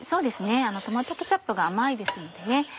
トマトケチャップが甘いですのでね